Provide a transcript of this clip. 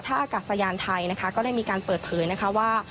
อากาศยานไทยนะคะก็ได้มีการเปิดเผยนะคะว่า